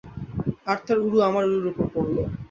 আর তার উরু আমার উরুর উপর পড়ল।